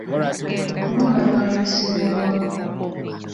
Okulonda kwalwisibwawo.